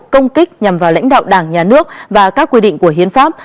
công kích nhằm vào lãnh đạo đảng nhà nước và các quy định của hiến pháp